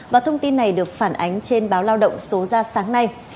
và thông tin này được phản ánh trên báo lao động số ra sáng nay